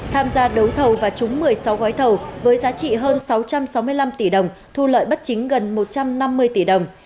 tham gia đấu thầu và trúng một mươi sáu gói thầu với giá trị hơn sáu trăm sáu mươi năm tỷ đồng thu lợi bất chính gần một trăm năm mươi tỷ đồng